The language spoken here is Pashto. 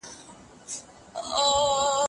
هېواد ته د وارداتو کچه ډېره لږه سوه.